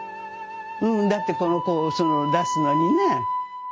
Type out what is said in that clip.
うんだってこの子をその出すのにね。